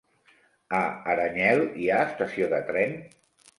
A Aranyel hi ha estació de tren?